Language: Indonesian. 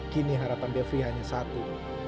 kini harapan devi hanya satu